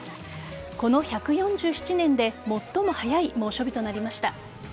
この１４７年で最も早い猛暑日となりました。